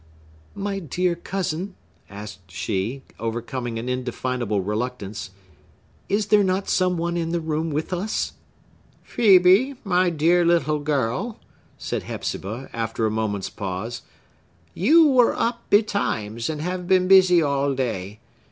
"My dear cousin," asked she, overcoming an indefinable reluctance, "is there not some one in the room with us?" "Phœbe, my dear little girl," said Hepzibah, after a moment's pause, "you were up betimes, and have been busy all day.